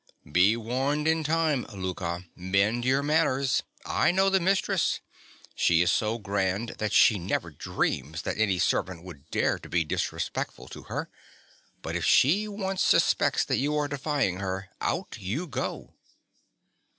Be warned in time, Louka: mend your manners. I know the mistress. She is so grand that she never dreams that any servant could dare to be disrespectful to her; but if she once suspects that you are defying her, out you go.